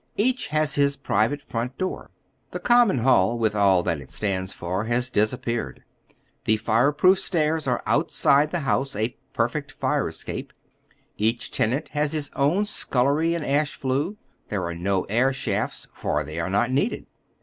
Each has his private front door. The common hall, with ail that it stands for, has disappeared. The fire proof oy Google HOW THE CASE STANDS. 395 stairs are outside the house, a perfect flre eecape. Each tenant has his own aeuilery and ash flue. There are no air shafts, for they are not needed.